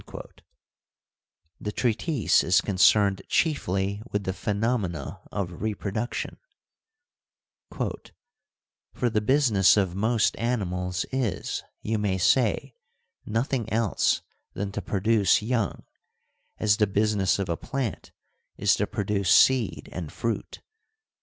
t The treatise is concerned chiefly with the phenomena of reproduction : For the business of most animals is, you may say, nothing else than to produce young, as the business of a plant is to produce seed and fruit.